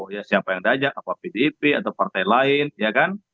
ya siapa yang diajak apa pdip atau partai lain ya kan